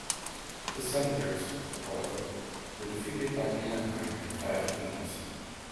The Senators, however, were defeated by Anaheim in five games.